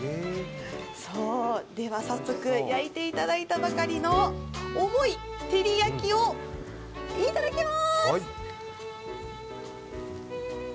では、早速焼いていただいたばかりの重い照り焼きをいただきまーす。